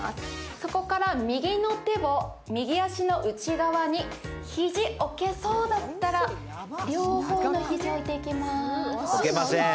そこから右の手を右足の内側にひじ置けそうだったら両方の肘を置いていきます。